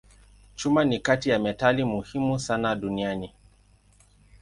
Chuma ni kati ya metali muhimu sana duniani.